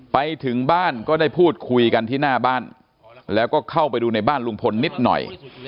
ไปถึงบ้านก็ได้พูดคุยกันที่หน้าบ้านแล้วก็เข้าไปดูในบ้านลุงพลนิดหน่อย